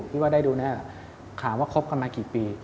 พี่ว่าได้ดูเนี่ยคำว่าคบกันมากี่ปี